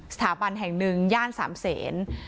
สถาบันแห่ง๑ย่านสามเศส